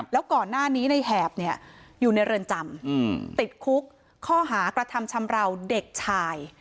แล้วก่อนหน้านี้ในแหบอยู่ในเรือนจำติดคุกข้อหากระทำชำราวเด็กชาย